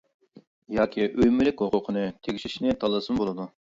ياكى ئۆي-مۈلۈك ھوقۇقىنى تېگىشىشنى تاللىسىمۇ بولىدۇ.